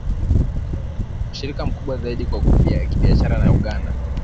mshirika mkubwa zaidi wa kibiashara na Uganda